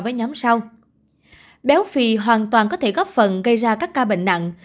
với nhóm sau béo phì hoàn toàn có thể góp phần gây ra các ca bệnh nặng